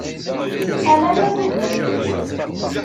Ala ma tugiḍ kečč.